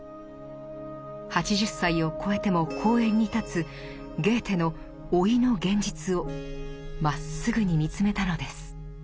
８０歳をこえても講演に立つゲーテの老いの現実をまっすぐに見つめたのです。